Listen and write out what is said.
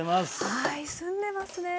はい澄んでますね。